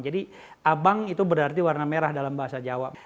jadi abang itu berarti warna merah dalam bahasa jawa